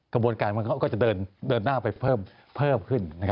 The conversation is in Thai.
กระบวนการของเขาก็จะเดินหน้าไปเพิ่มขึ้น